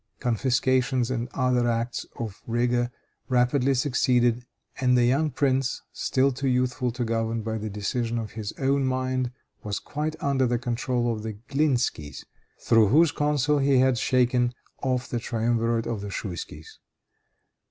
Confiscations and other acts of rigor rapidly succeeded, and the young prince, still too youthful to govern by the decision of his own mind, was quite under the control of the Glinskys, through whose council he had shaken off the triumvirate of the Schouiskies.